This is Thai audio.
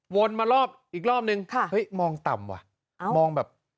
มารอบอีกรอบนึงเฮ้ยมองต่ำว่ะมองแบบ